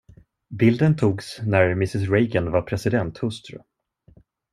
Bilden togs när mrs Reagan var presidenthustru.